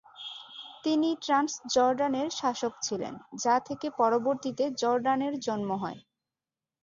তিনি ট্রান্সজর্ডানের শাসক ছিলেন যা থেকে পরবর্তীতে জর্ডানের জন্ম হয়।